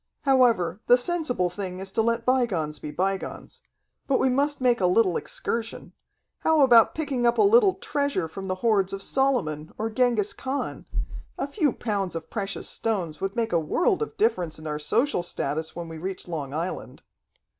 However, the sensible thing is to let bygones be bygones. But we must make a little excursion. How about picking up a little treasure from the hoards of Solomon or Genghis Khan? A few pounds of precious stones would make a world of difference in our social status when we reach Long Island."